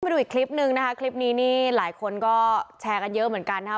ดูอีกคลิปนึงนะคะคลิปนี้นี่หลายคนก็แชร์กันเยอะเหมือนกันนะครับ